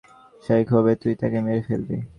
সেই ক্ষোভে তুই তাকে মেরে ফেলবি।